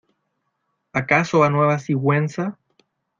¿ acaso a Nueva Sigüenza?